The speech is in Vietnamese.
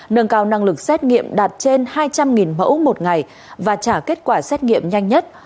nâng cao năng lực xét nghiệm đạt trên hai trăm linh mẫu một ngày và trả kết quả xét nghiệm nhanh nhất